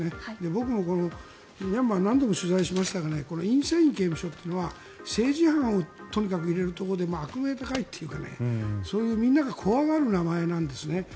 僕もミャンマー何度も取材しましたがこのインセイン刑務所というのは政治犯をとにかく入れるところで悪名高いというかみんなが怖がる名前なんですね。